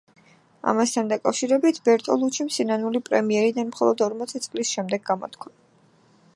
ამასთან დაკავშირებით, ბერტოლუჩიმ სინანული პრემიერიდან მხოლოდ ორმოცი წლის შემდეგ გამოთქვა.